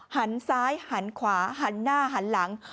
หันซ้ายหันขวาหันหน้าหันหลัง